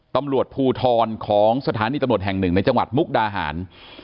ตำรวจภูทรของสถานีตำรวจแห่งหนึ่งในจังหวัดมุกดาหาร